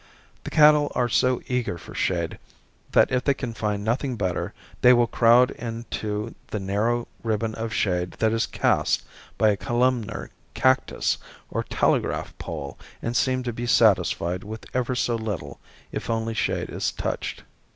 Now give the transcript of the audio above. The cattle are so eager for shade that if they can find nothing better they will crowd into the narrow ribbon of shade that is cast by a columnar cactus or telegraph pole and seem to be satisfied with ever so little if only shade is touched.